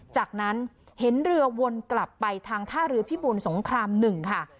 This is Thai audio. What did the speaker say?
จากนั้นเห็นเรือวนกลับไปทางท่าเรือพิบูลสงคราม๑ค่ะ